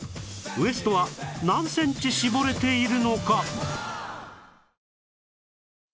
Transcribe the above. ウエストは何センチ絞れているのか？